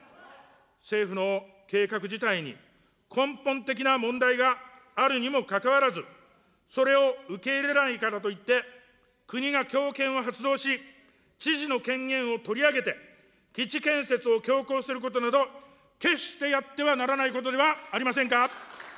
政府の計画自体に根本的な問題があるにもかかわらず、それを受け入れないからといって、国が強権を発動し、知事の権限を取り上げて、基地建設を強行することなど、決してやってはならないことではありませんか。